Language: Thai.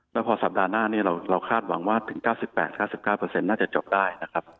แล้วพอสัปดาห์หน้านี้เราคาดหวังว่าถึง๙๘๙๙น่าจะจบได้นะครับ